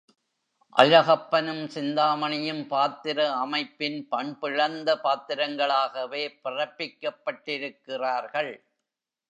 அழகப்பனும், சிந்தாமணியும் பாத்திர அமைப்பின் பண்பிழந்த பாத்திரங்களாகவே பிறப்பிக்கப்பட்டிருக்கிறார்கள்.